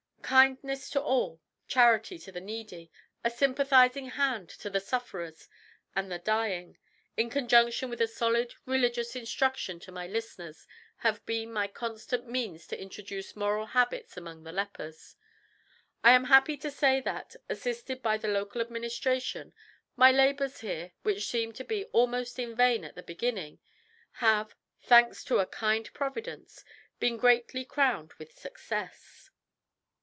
"Kindness to all, charity to the needy, a sympathising hand to the sufferers and the dying, in conjunction with a solid religious instruction to my listeners, have been my constant means to introduce moral habits among the lepers. I am happy to say that, assisted by the local administration, my labours here, which seemed to be almost in vain at the beginning, have, thanks to a kind Providence, been greatly crowned with success."